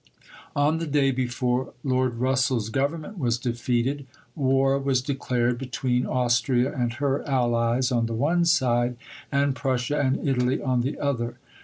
On the day before Lord Russell's Government was defeated war was declared between Austria and her allies on the one side, and Prussia and Italy on the other.